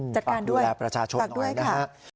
จัดการด้วยจัดการด้วยค่ะ